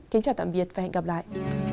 kính chào tạm biệt và hẹn gặp lại